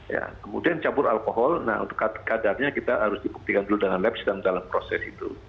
ya kemudian campur alkohol nah untuk kadarnya kita harus dibuktikan dulu dengan labster dalam proses itu